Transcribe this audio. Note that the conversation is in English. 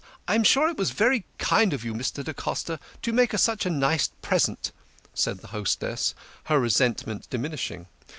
I am sure it was very kind of you, Mr. da Costa, to make us such a nice present," said the hostess, her resentment diminishing.